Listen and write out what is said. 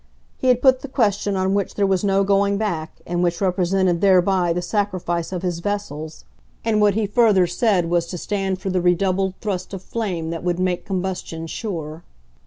He had put the question on which there was no going back and which represented thereby the sacrifice of his vessels, and what he further said was to stand for the redoubled thrust of flame that would make combustion sure.